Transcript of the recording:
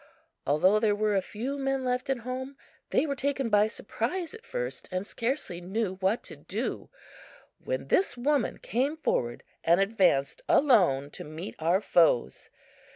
Although there were a few men left at home, they were taken by surprise at first and scarcely knew what to do, when this woman came forward and advanced alone to meet our foes.